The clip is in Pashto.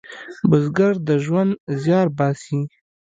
بزګر د ژوند زیار باسي